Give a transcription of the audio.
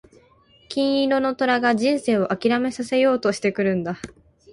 金色の虎が人生を諦めさせようとしてくるんだ。